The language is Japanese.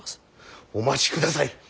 お待ちください。